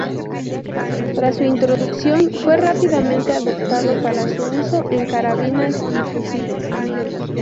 Tras su introducción fue rápidamente adoptado para su uso en carabinas y fusiles.